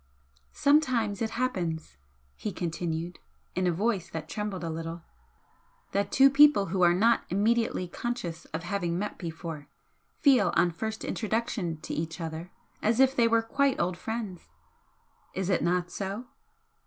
"Sometimes it happens" he continued, in a voice that trembled a little "that two people who are not immediately conscious of having met before, feel on first introduction to each other as if they were quite old friends. Is it not so?"